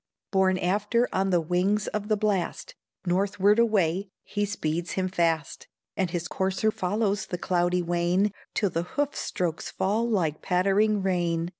Borne after on the wings of the blast, Northward away, he speeds him fast, And his courser follows the cloudy wain Till the hoof strokes fall like pattering rain.